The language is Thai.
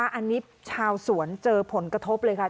อันนี้ชาวสวนเจอผลกระทบเลยค่ะ